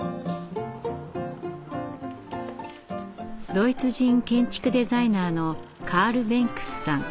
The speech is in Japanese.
ドイツ人建築デザイナーのカール・ベンクスさん。